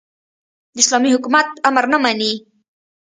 د اسلامي حکومت امر نه مني.